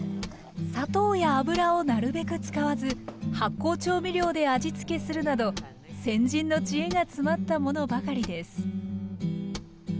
砂糖や油をなるべく使わず発酵調味料で味付けするなど先人の知恵が詰まったものばかりです